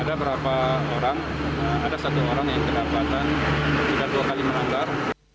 ada berapa orang ada satu orang yang kena pelanggaran tiga dua kali melanggar